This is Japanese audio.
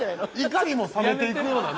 怒りも冷めていくようなね